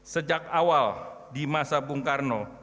sejak awal di masa bung karno